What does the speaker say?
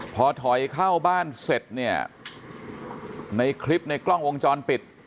พอถอยเข้าบ้านเสร็จเนี่ยในคลิปในกล้องวงจรปิด